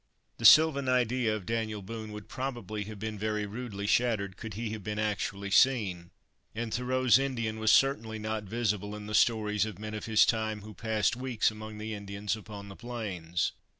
The sylvan idea of Daniel Boone would probably have been very rudely shattered could he have been actually seen; and Thoreau's Indian was certainly not visible in the stories of men of his time who had passed weeks among the Indians upon the plains.